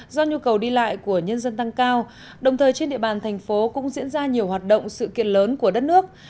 do nhu cầu đi lại của nhân dân tăng cao đồng thời trên địa bàn thành phố cũng diễn ra nhiều hoạt động sự kiện lớn của đất nước